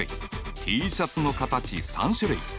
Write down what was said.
Ｔシャツの形３種類。